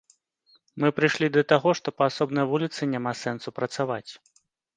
Мы прыйшлі да таго, што па асобнай вуліцы няма сэнсу працаваць.